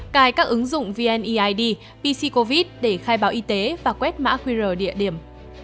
bốn cài các ứng dụng vniid pc covid để khai báo y tế và quét mã qr địa điểm